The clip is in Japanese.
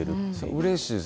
うれしいです。